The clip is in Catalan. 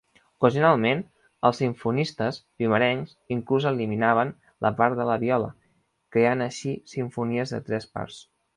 Ocasionalment, els simfonistes primerencs inclús eliminaven la part de la viola, creant així simfonies de tres parts.